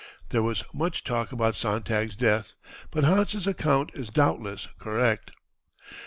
There was much talk about Sontag's death, but Hans's account is doubtless correct.